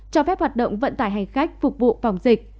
cho phép hoạt động vận tải hành khách phục vụ phòng dịch